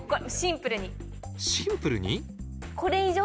シンプルに？